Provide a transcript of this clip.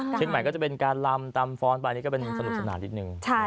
เครื่องหมายก็เป็นการลำตำฟ้อนตามอิทการณ์เป็นสนุกสนาน